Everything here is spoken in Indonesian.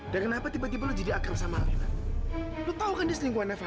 dan kenapa tiba tiba lo jadi akar sama lena